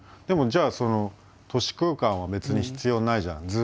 でもじゃあその都市空間は別に必要ないじゃん。